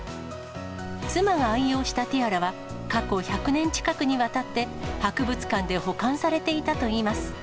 妻が愛用したティアラは、過去１００年近くにわたって博物館で保管されていたといいます。